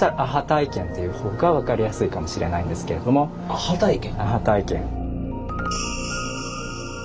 アハ体験。